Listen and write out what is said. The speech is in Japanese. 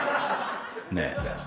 ねえ。